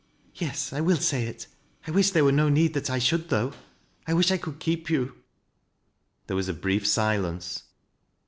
"Yes, I will say it. I wish there were no need that 1 should, though. I wish I could keep you." There was a brief silence.